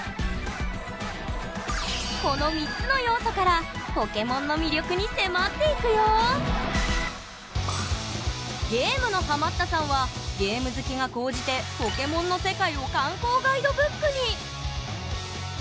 この３つの要素からゲームのハマったさんはゲーム好きが高じてポケモンの世界を観光ガイドブックに！